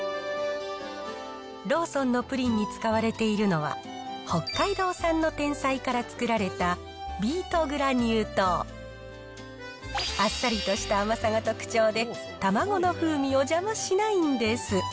ローソンのプリンに使われているのは、北海道産のてんさいから作られたビートグラニュー糖。あっさりとした甘さが特徴で、卵の風味を邪魔しないんです。